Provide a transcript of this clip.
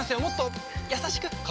もっと優しく。